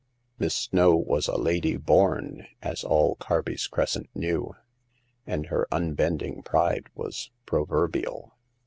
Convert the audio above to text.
159 Miss Snow was a lady born, as all Carby's Cres cent knew, and her unbending pride was prover bial.